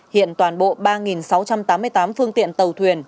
hiện toàn bộ ba sáu trăm tám mươi tám phương tiện tàu thuyền